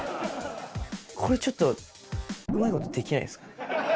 これちょっと、うまいことできないですか。